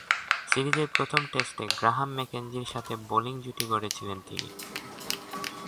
সিরিজের প্রথম টেস্টে গ্রাহাম ম্যাকেঞ্জি’র সাথে বোলিং জুটি গড়েছিলেন তিনি।